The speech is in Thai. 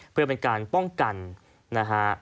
เพื่อเป็นการป้องกันนะฮะ